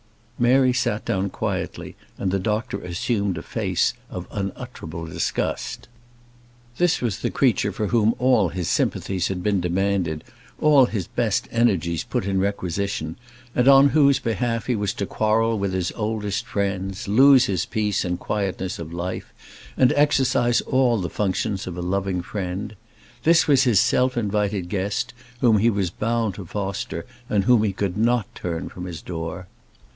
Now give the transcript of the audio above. Mary sat down quietly, and the doctor assumed a face of unutterable disgust. This was the creature for whom all his sympathies had been demanded, all his best energies put in requisition; on whose behalf he was to quarrel with his oldest friends, lose his peace and quietness of life, and exercise all the functions of a loving friend! This was his self invited guest, whom he was bound to foster, and whom he could not turn from his door.